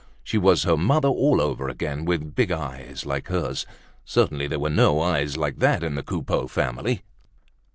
She was her mother all over again, with big eyes like hers. Certainly there were no eyes like that in the Coupeau family.